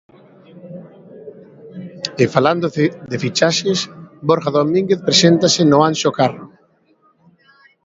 E falando de fichaxes, Borja Domínguez preséntase no Anxo Carro.